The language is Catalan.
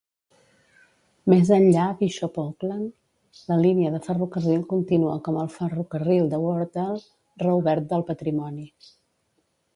Més enllà Bishop Auckland, la línia de ferrocarril continua com el Ferrocarril de Weardale reobert del patrimoni.